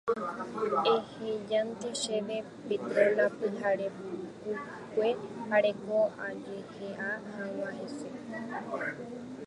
ehejánte chéve Petrona pyharepukukue areko ajehe'a hag̃ua hese.